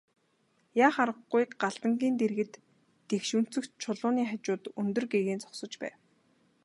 Яах аргагүй Галдангийн дэргэд тэгш өнцөгт чулууны хажууд өндөр гэгээн зогсож байв.